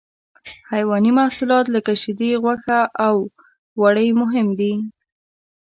حیواني محصولات لکه شیدې، غوښه او وړۍ مهم دي.